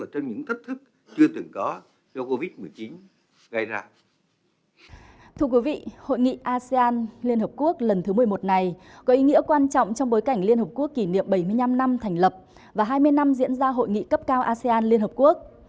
trong bảy mươi năm năm thành lập và hai mươi năm diễn ra hội nghị cấp cao asean liên hợp quốc